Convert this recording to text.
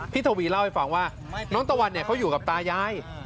ทวีเล่าให้ฟังว่าน้องตะวันเนี่ยเขาอยู่กับตายาย